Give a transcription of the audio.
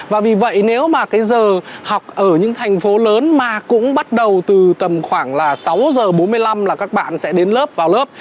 và vì vậy nếu mà cái giờ học ở những thành phố lớn mà cũng bắt đầu từ tầm khoảng là sáu giờ bốn mươi năm là các bạn sẽ đến lớp vào lớp